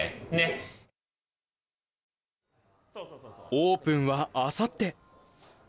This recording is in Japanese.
オープンはあさって。